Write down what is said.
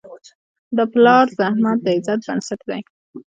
د پلار زحمت د عزت بنسټ دی.